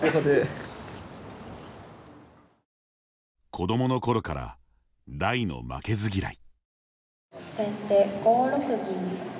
子供のころから大の負けず嫌い。